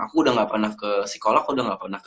aku udah gak pernah ke psikolog aku udah gak pernah ke